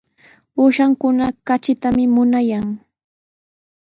Uushakuna katritami munayan.